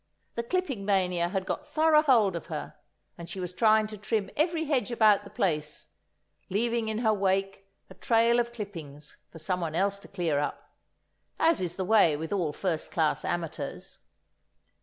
The clipping mania had got thorough hold of her, and she was trying to trim every hedge about the place, leaving in her wake a trail of clippings for someone else to clear up—as is the way with all first class amateurs.